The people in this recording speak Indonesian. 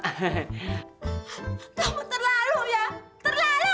kamu terlalu ya terlalu